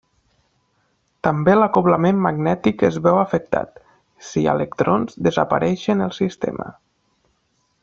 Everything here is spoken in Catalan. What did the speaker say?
També l'acoblament magnètic es veu afectat, si hi ha electrons desaparèixer en el sistema.